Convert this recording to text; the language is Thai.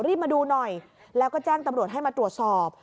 รีบมาดูหน่อยแล้วก็แจ้งตำรวจให้มาตรวจสอบ